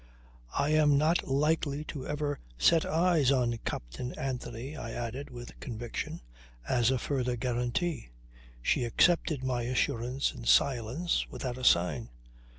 "I am not likely to ever set eyes on Captain Anthony," I added with conviction as a further guarantee. She accepted my assurance in silence, without a sign.